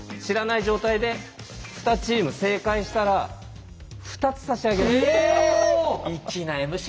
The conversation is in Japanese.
知らない状態で２チーム正解したら２つ差し上げます。